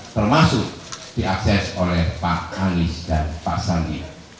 termasuk diakses oleh pak anies dan pak sandi